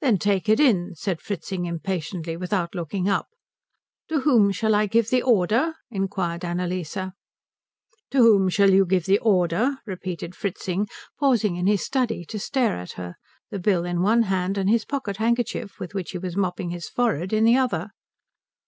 "Then take it in," said Fritzing impatiently, without looking up. "To whom shall I give the order?" inquired Annalise. "To whom shall you give the order?" repeated Fritzing, pausing in his study to stare at her, the bill in one hand and his pocket handkerchief, with which he was mopping his forehead, in the other.